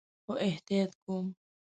خو احتیاط کوم